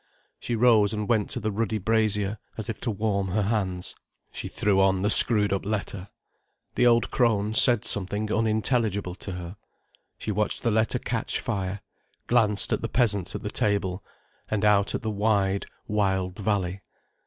She rose and went to the ruddy brazier, as if to warm her hands. She threw on the screwed up letter. The old crone said something unintelligible to her. She watched the letter catch fire—glanced at the peasants at the table—and out at the wide, wild valley.